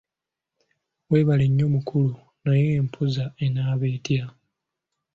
Weebale nnyo mukulu, naye empoza enaaba etya?